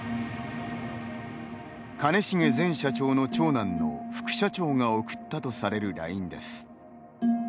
兼重前社長の長男の副社長が送ったとされるＬＩＮＥです。